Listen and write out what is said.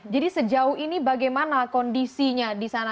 jadi sejauh ini bagaimana kondisinya di sana